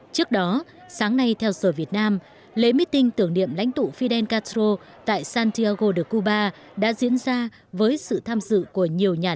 trước đó sáng nay theo sở việt nam lễ mít tinh tưởng niệm lãnh tụ fidel castro tại santiago de cuba đã diễn ra với sự tham dự của nhiều nhân vật